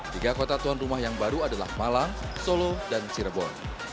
tiga kota tuan rumah yang baru adalah malang solo dan cirebon